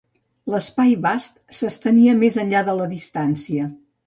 L'espai vast s'estenia més enllà de la distància.